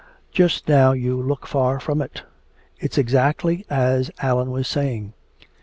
Just now you look far from it! It's exactly as Allan was saying!